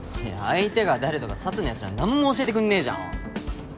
相手が誰とかサツの奴ら何も教えてくんねえじゃん。